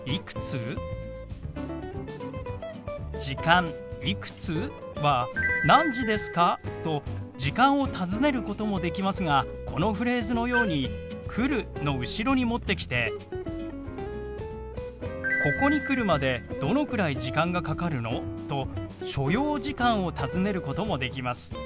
「時間いくつ？」は「何時ですか？」と時間を尋ねることもできますがこのフレーズのように「来る」の後ろに持ってきて「ここに来るまでどのくらい時間がかかるの？」と所要時間を尋ねることもできます。